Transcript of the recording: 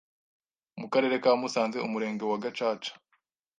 mu Karere ka Musanze, Umurenge wa Gacaca,